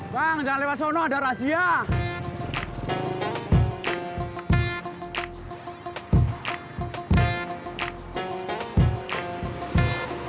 ya udah makasih bu